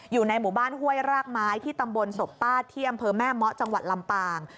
อยู่ในหมู่บ้านห้วยรากไม้ที่ตำบลศพป้าที่อำเภอแม่เมาะจังหวัดลำปาง